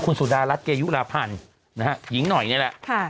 คุณสุดารัฐเกยุลาพันธ์นะฮะหญิงหน่อยนี่แหละ